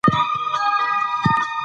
مېلې د دودیزو هنرونو د ساتلو یوه لاره ده.